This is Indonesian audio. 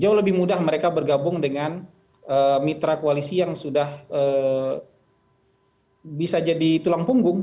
jauh lebih mudah mereka bergabung dengan mitra koalisi yang sudah bisa jadi tulang punggung